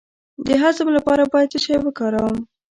د هضم لپاره باید څه شی وکاروم؟